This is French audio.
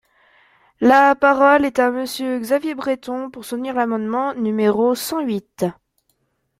La parole est à Monsieur Xavier Breton, pour soutenir l’amendement numéro cent huit.